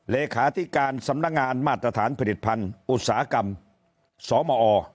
เลขาธิการสำนักงานมาตรฐานผลิตภัณฑ์อุตสาหกรรมสมอ